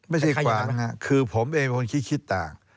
ไม่ใช่ขวางค่ะคือผมเองเป็นคนคิดต่าง